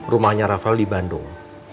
rumahnya rafael di bandung